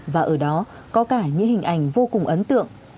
và ở đó có cả những hình ảnh vô cùng ấn tượng